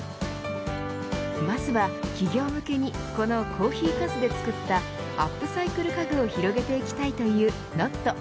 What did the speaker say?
まずは企業向けにこのコーヒーかすで作ったアップサイクル家具を広げていきたいというＮＯＤ。